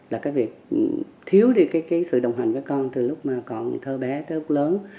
là cái việc thiếu đi cái sự đồng hành với con từ lúc mà còn thơ bé tới lúc lớn